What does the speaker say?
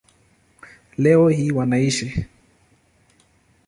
Leo hii wanaishi